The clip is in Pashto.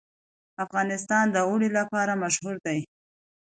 افغانستان د اوړي لپاره مشهور دی.